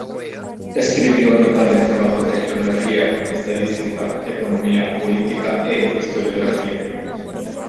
Escribió notables trabajos de Geografía, Estadística, Economía, Política e Historiografía.